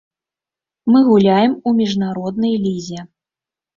Мы гуляем у міжнароднай лізе.